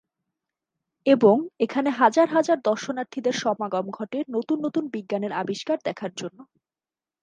এবং এখানে হাজার হাজার দর্শনার্থীদের সমাগম ঘটে নতুন নতুন বিজ্ঞানের আবিষ্কার দেখার জন্য।